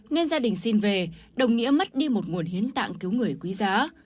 nên gia đình xin về đồng nghĩa mất đi một nguồn hiến tạng cứu người quý giá